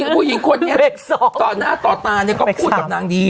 พต่อน่าต่อตาก็พูดกับนางดี